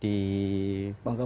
di bangka pelitung dengan